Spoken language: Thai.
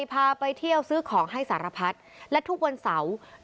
พาไปเที่ยวซื้อของให้สารพัดและทุกวันเสาร์